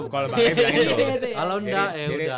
kalau tidak ya sudah